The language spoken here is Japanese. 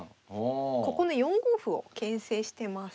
ここの４五歩をけん制してます。